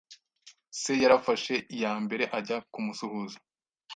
se yarafashe iya mbere ajya kumusuhuza